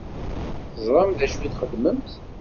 Teẓṛamt d acu i txeddmemt?